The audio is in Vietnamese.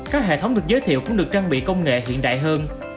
các hệ thống được giới thiệu cũng được trang bị công nghệ hiện đại hơn